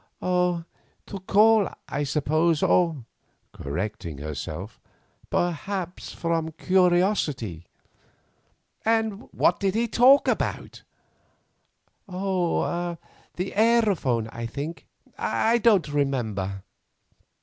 "To call, I suppose; or," correcting herself, "perhaps from curiosity." "And what did he talk about?" "Oh, the aerophone, I think; I don't remember."